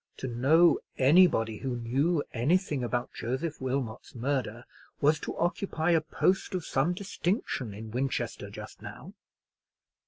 To know anybody who knew anything about Joseph Wilmot's murder was to occupy a post of some distinction in Winchester just now.